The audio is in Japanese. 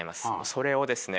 それをですね